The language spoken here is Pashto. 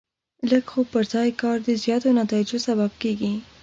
لږ خو پر ځای کار د زیاتو نتایجو سبب کېږي.